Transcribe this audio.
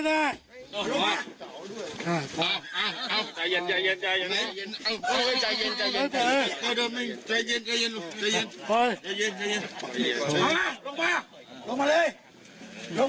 ถ้าหมอปลาไม่หลับยอมติดคุก